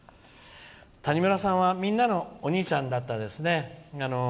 谷村さんはみんなのお兄ちゃんでしたね。